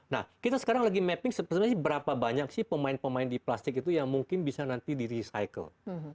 nah kita sekarang lagi mapping sebenarnya berapa banyak sih pemain pemain di plastik itu yang mungkin bisa nanti di recycle